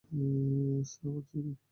Summer ji, - না।